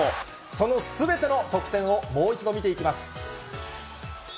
そのすべての得点をもう一度見ていきます。